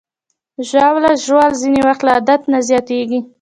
ژاوله ژوول ځینې وخت له عادت نه زیاتېږي.